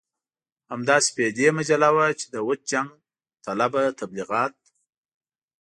همدا سپېدې مجله وه چې د وچ جنګ طلبه تبليغات.